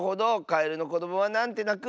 「カエルのこどもはなんてなく？」